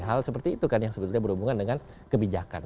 hal seperti itu kan yang sebetulnya berhubungan dengan kebijakan